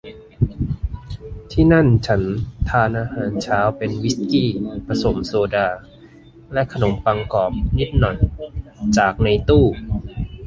ที่นั่นฉันทานอาหารเช้าเป็นวิสกี้ผสมโซดาและขนมปังกรอบนิดหน่อยจากในตู้